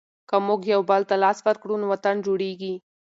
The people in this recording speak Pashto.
که موږ یو بل ته لاس ورکړو نو وطن جوړیږي.